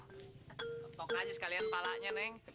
kepok aja sekalian palanya neng